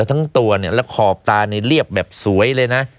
ทั้งตัวเนี่ยแล้วขอบตาเนี่ยเรียบแบบสวยเลยนะ